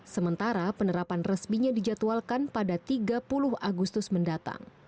sementara penerapan resminya dijadwalkan pada tiga puluh agustus mendatang